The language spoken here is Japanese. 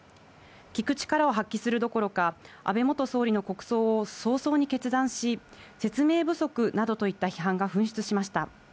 聞く力を発揮するどころか、安倍元総理の国葬を早々に決断し、説明不足などといった批判が噴出しました。